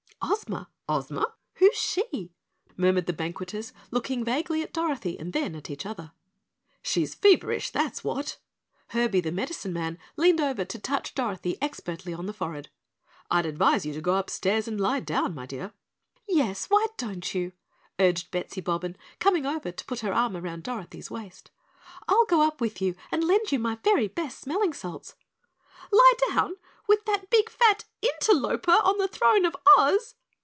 "Ozma, Ozma who's she?" murmured the banqueters, looking vaguely at Dorothy and then at each other. "She's feverish, that's what." Herby, the Medicine Man, leaned over to touch Dorothy expertly on the forehead. "I'd advise you to go upstairs and lie down, my dear." "Yes, why don't you?" urged Bettsy Bobbin, coming over to put her arm around Dorothy's waist. "I'll go up with you and lend you my very best smelling salts." "Lie down with that big fat interloper on the throne of Oz!"